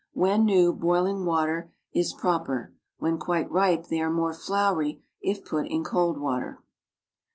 When new, boiling water is proper. When quite ripe they are more floury if put in cold water.